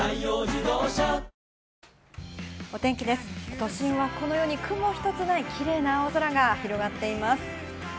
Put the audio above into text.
都心はこのように雲一つないキレイな青空が広がっています。